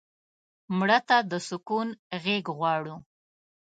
مړه ته د سکون غېږ غواړو